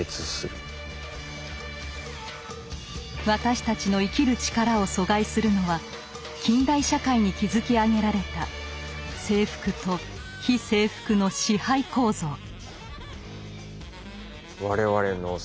私たちの生きる力を阻害するのは近代社会に築き上げられた征服と被征服の支配構造。